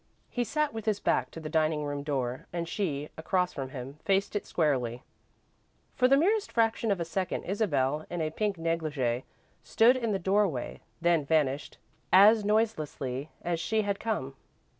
He sat with his back to the dining room door and she, across from him, faced it squarely. For the merest fraction of a second Isabel, in a pink silk negligee, stood in the doorway, then vanished, as noiselessly as she had come.